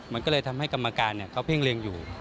มันก็ทำให้กรรมการเพ่งเลี้ยงอยู่